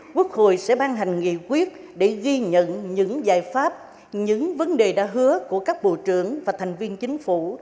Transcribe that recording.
quốc hội sẽ ban hành nghị quyết để ghi nhận những giải pháp những vấn đề đã hứa của các bộ trưởng và thành viên chính phủ